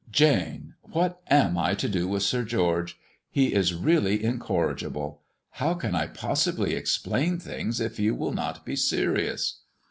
"Jane, what am I to do with Sir George? He is really incorrigible. How can I possibly explain things if you will not be serious?"